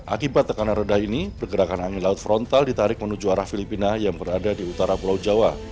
akibat tekanan rendah ini pergerakan angin laut frontal ditarik menuju arah filipina yang berada di utara pulau jawa